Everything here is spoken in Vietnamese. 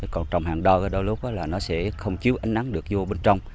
còn trồng hàng đôi đôi lúc là nó sẽ không chiếu ánh nắng được vô bên trong